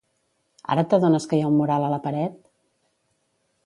Ara t'adones que hi ha un mural a la paret?